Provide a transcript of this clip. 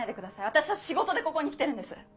私は仕事でここに来てるんです。